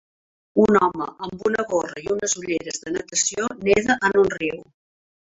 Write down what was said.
Un home amb una gorra i unes ulleres de natació neda en un riu